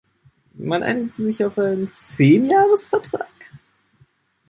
Man einigte sich auf einen Zehnjahresvertrag.